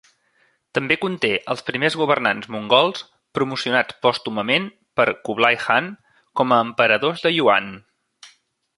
També conté els primers governants mongols promocionats pòstumament per Kublai Khan com a emperadors de Yuan.